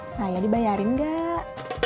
saya dibayarin enggak